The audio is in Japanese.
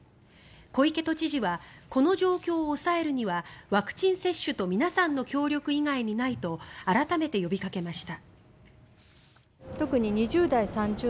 小池都知事はこの状況を抑えるにはワクチン接種と皆さんの協力以外にないと改めて呼びかけました。